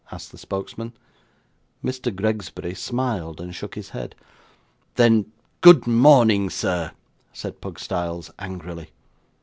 asked the spokesman. Mr. Gregsbury smiled, and shook his head. 'Then, good morning, sir,' said Pugstyles, angrily.